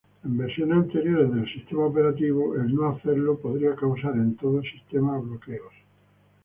En versiones anteriores de Windows no hacerlo podría causar en todo el sistema bloqueos.